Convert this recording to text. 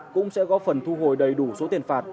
cũng sẽ góp phần thu hồi đầy đủ số tiền phạt